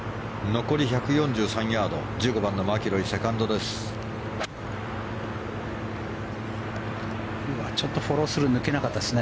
残り１４３ヤード１５番のマキロイセカンドです。